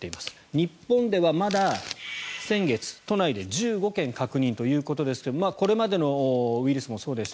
日本ではまだ先月、都内で１５件確認ということですがこれまでのウイルスもそうでした。